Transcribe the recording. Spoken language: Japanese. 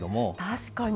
確かに。